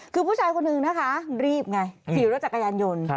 คือผู้ชายคนนึงนะคะรีบไงขี่รถจักรยานยนต์